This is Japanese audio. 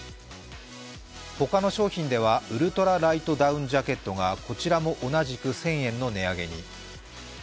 ほかの商品ではウルトラライトダウンジャケットがこちらも同じく１０００円の値上げに。